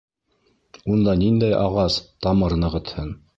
Унда ниндәй ағас тамыр нығытһын?